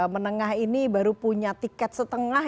menengah ini baru punya tiket setengah